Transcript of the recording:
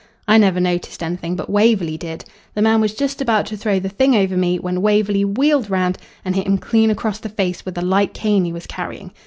I never noticed anything, but Waverley did. The man was just about to throw the thing over me when Waverley wheeled round and hit him clean across the face with a light cane he was carrying.